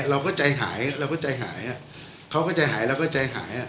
เราก็ใจหายเราก็ใจหายเขาก็ใจหายเราก็ใจหาย